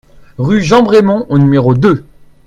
Rue Jean Bremond au numéro deux